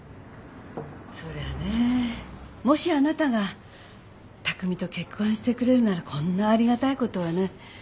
そりゃねもしあなたが巧と結婚してくれるならこんなありがたいことはない。